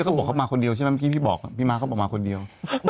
เขาต้องมีเพื่อนมีผู้อ่ะพี่มากเขาบอกมาคนเดียว